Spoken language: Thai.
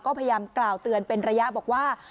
ก็พยายามกล่าวเตือนเป็นระยะบอกว่า